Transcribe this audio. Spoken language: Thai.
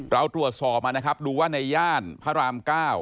เราตรวจสอบมานะครับดูว่าในย่านพระราม๙